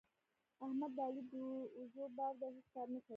احمد د علي د اوږو بار دی؛ هیڅ کار نه کوي.